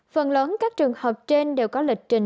phần lớn các trường hợp trên đều có lịch trình